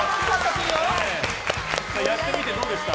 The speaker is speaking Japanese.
やってみてどうでした？